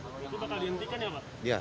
itu bakal dihentikan ya pak